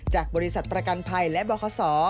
จากบริษัทประกันภัยและบคศ